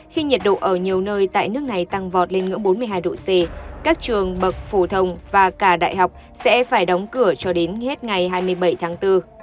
khi nhiệt độ ở nhiều nơi tại nước này tăng vọt lên ngưỡng bốn mươi hai độ c các trường bậc phổ thông và cả đại học sẽ phải đóng cửa cho đến hết ngày hai mươi bảy tháng bốn